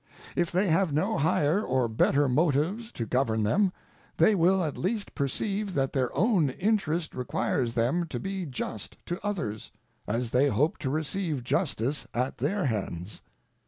If they have no higher or better motives to govern them, they will at least perceive that their own interest requires them to be just to others, as they hope to receive justice at their hands.